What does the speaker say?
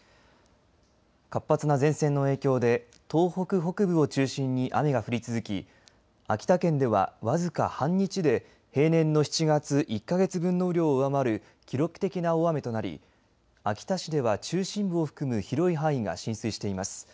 活発な前線の影響で東北北部を中心に雨が降り続き秋田県では僅か半日で平年の７月１か月分の雨量を上回る記録的な大雨となり秋田市では中心部を含む広い範囲が浸水しています。